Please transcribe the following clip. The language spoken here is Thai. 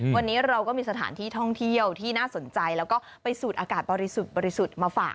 วันนี้เราก็มีสถานที่ท่องเที่ยวที่น่าสนใจแล้วก็ไปสูดอากาศบริสุทธิ์บริสุทธิ์มาฝาก